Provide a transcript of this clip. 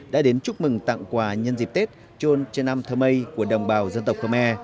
đã đến chúc mừng tặng quà nhân dịp tết trôn trân nam thơ mây của đồng bào dân tộc khơ me